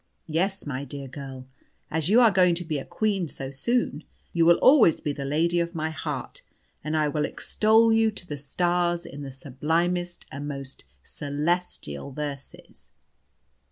Yes, my dear girl, as you are going to be a queen so soon, you will always be the lady of my heart, and I will extol you to the stars in the sublimest and most celestial verses."